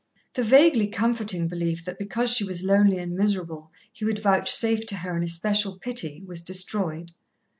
The vaguely comforting belief that because she was lonely and miserable, He would vouchsafe to her an especial pity, was destroyed.